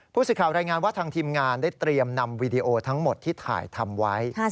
ผู้สื่อข่าวรายงานว่าทางทีมงานได้เตรียมนำวีดีโอทั้งหมดที่ถ่ายทำไว้